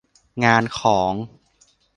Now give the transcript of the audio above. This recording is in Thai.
งานของ